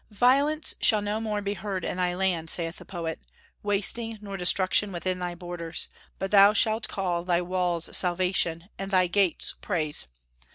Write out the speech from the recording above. "Violence shall no more be heard in thy land," saith the poet, "wasting nor destruction within thy borders; but thou shalt call thy walls Salvation and thy gates Praise....